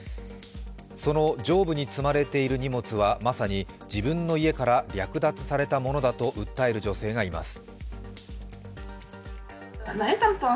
その、上部に積まれている荷物は、自分の家から略奪されたものだと訴える女性がいます。